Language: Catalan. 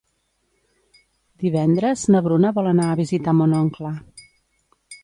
Divendres na Bruna vol anar a visitar mon oncle.